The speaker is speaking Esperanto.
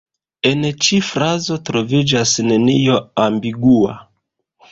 En ĉi frazo troviĝas nenio ambigua.